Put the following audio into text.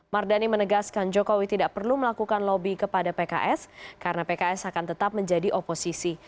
mardani menegaskan jokowi tidak perlu melakukan lobby kepada pks karena pks akan tetap menjadi oposisi